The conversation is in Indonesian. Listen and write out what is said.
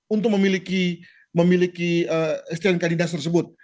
untuk memiliki stnk dinas tersebut